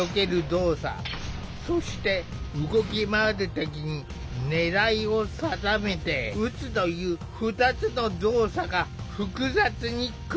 そして動き回る敵に狙いを定めて撃つという２つの動作が複雑に組み合わされている。